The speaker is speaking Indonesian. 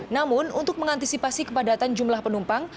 namun untuk mengantisipasi kepadatan jumlah penumpang